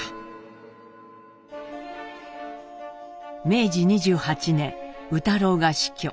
明治２８年宇太郎が死去。